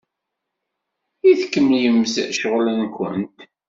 I tkemmlemt ccɣel-nwent?